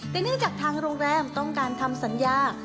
แต่เนื่องจากทางโรงแรมต้องการทำสัญญา